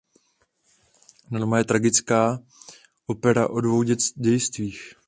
Norma je tragická opera o dvou dějstvích.